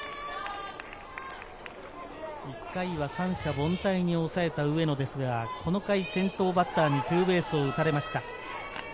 １回は三者凡退に抑えた上野ですが、この回、先頭バッターにツーベースを打たれました。